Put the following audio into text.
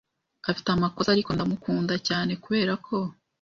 Afite amakosa, ariko ndamukunda cyane kuberako.